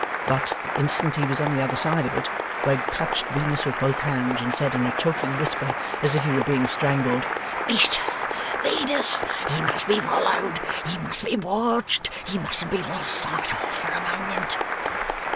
But, the instant he was on the other side of it, Wegg clutched Venus with both hands, and said in a choking whisper, as if he were being strangled: 'Mr Venus, he must be followed, he must be watched, he mustn't be lost sight of for a moment.